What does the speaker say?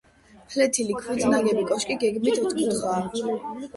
ფლეთილი ქვით ნაგები კოშკი გეგმით ოთხკუთხაა.